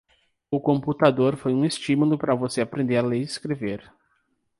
O computador foi um estímulo para você aprender a ler e escrever.